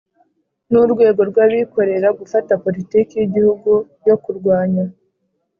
n urwego rw abikorera gufata Politiki y Igihugu yo Kurwanya